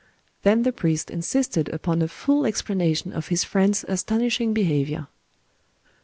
Then the priest insisted upon a full explanation of his friend's astonishing behavior.